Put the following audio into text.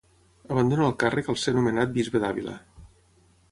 Abandona el càrrec al ser nomenat bisbe d'Àvila.